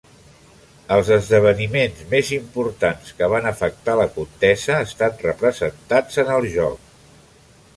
Els esdeveniments més importants que van afectar la contesa estan representats en el joc.